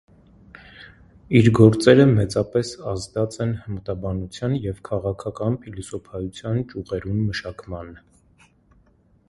Իր գործերը մեծապէս ազդած են հմտաբանութեան եւ քաղաքական փիլիսոփայութեան ճիւղերուն մշակման։